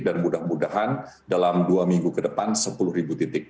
mudah mudahan dalam dua minggu ke depan sepuluh ribu titik